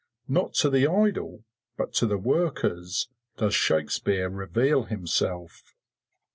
Not to the idle, but to the workers, does Shakespeare reveal himself.